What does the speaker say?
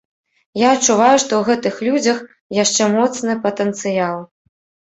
Я адчуваю, што ў гэтых людзях яшчэ моцны патэнцыял!